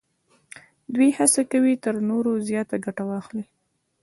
دوی هڅه کوي تر نورو زیاته ګټه واخلي